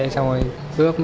xong rồi cướp